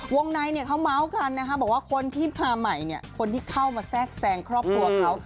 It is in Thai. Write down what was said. ในเขาเมาส์กันนะคะบอกว่าคนที่มาใหม่เนี่ยคนที่เข้ามาแทรกแซงครอบครัวเขา